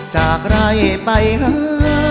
จากไร่ไปหา